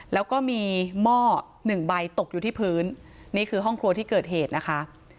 แล้วก็มีหม้อหนึ่งใบตกอยู่ที่พื้นนี่คือห้องครัวที่เกิดเหตุนะคะ